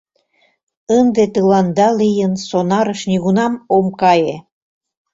— Ынде тыланда лийын сонарыш нигунам ом кае!